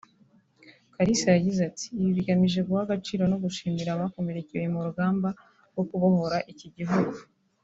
Kalisa yagize ati “Ibi bigamije guha agaciro no gushimira abakomerekeye mu rugamba rwo kubohora iki gihugu”